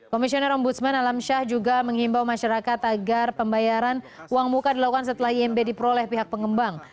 komisioner ombudsman alam syah juga menghimbau masyarakat agar pembayaran uang muka dilakukan setelah imb diperoleh pihak pengembang